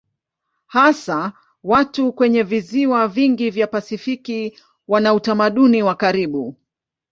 Hasa watu kwenye visiwa vingi vya Pasifiki wana utamaduni wa karibu.